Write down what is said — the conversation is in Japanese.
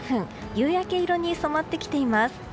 夕焼け色に染まってきています。